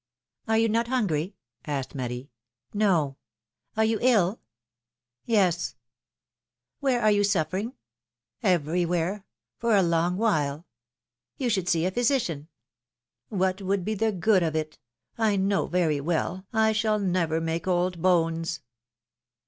Are you not hungry ?" asked Marie. ^^No." ''Are you ill?" "Yes." PHILOMi^NE^S MARRIAGES. 253 Where are you suffering?'^ Every where. Eor a long while !" You should see a physician.^^ What would be the good of it ? I know very well I shall never make old bones